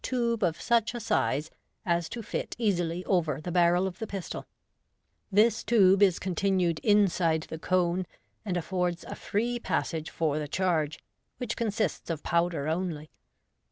m mbe of such a size as to fit easily over the barrel of the pistol rhis tube is continued inside the cone, and affords a free passage for the charge, which consists of powder only.